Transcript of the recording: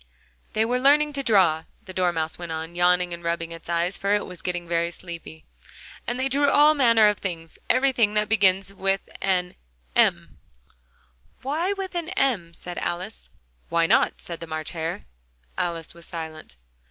"They were learning to draw," the Dormouse went on, yawning and rubbing its eyes, for it was getting very sleepy; "and they drew all manner of things everything that begins with an M " "Why with an M?" said Alice. "Why not?" said the March Hare. Alice was silent.